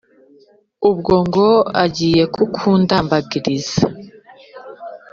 ubwo ngo agiye ku kundambagiriza